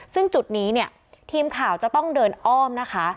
ซึ่งจุดนี้เนี่ยทีมข่าวจะต้องเดินอ้อมนะคะ